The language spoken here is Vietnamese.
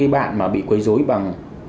bạn mà bị quấy rối bằng